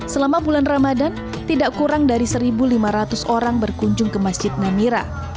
selama bulan ramadan tidak kurang dari satu lima ratus orang berkunjung ke masjid namira